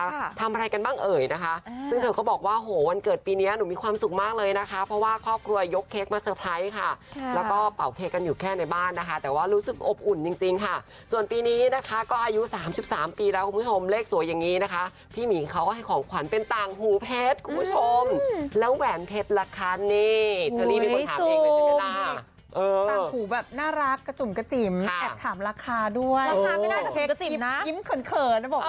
วันเกิดนะคะทำอะไรกันบ้างเอ๋ยนะคะซึ่งเธอก็บอกว่าโหวันเกิดปีนี้หนูมีความสุขมากเลยนะคะเพราะว่าครอบครัวยยกเค้กมาเซอร์ไพรส์ค่ะแล้วก็เป่าเค้กกันอยู่แค่ในบ้านนะคะแต่ว่ารู้สึกอบอุ่นจริงจริงค่ะส่วนปีนี้นะคะก็อายุ๓๓ปีแล้วคุณผู้ชมเลขสวยอย่างนี้นะคะที่มีเขาให้ของขวัญเป็นต่างหูเพชรคุณผู้ชมแล้วแหวนเพชร